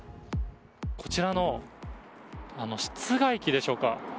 こちらの、室外機でしょうか